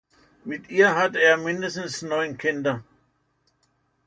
Mit ihr hatte er mindestens neun Kinder.